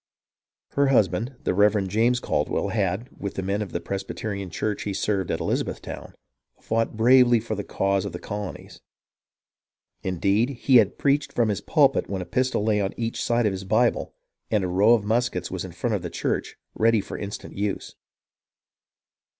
Her husband, the Reverend James Caldwell, had, with the men of the Presbyterian church he served at Elizabethtown, fought bravely for the cause of the colo nies. Indeed, he had preached from his pulpit when a pistol lay on each side of his Bible and a row of muskets was in the front of the church ready for instant use.